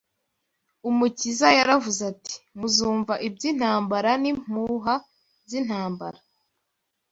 Umukiza yaravuze ati: Muzumva iby’intambara n’impuha z’intambara